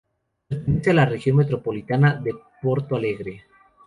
Pertenece a la región metropolitana de Porto Alegre.